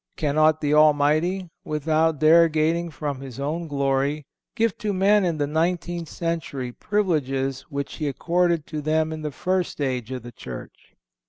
Cannot the Almighty, without derogating from His own glory, give to men in the nineteenth century privileges which He accorded to them in the first age of the Church?